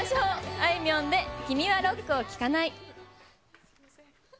あいみょんで君はロックを聴かない。